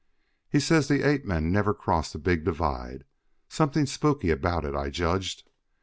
He says the ape men never cross the big divide; something spooky about it I judged.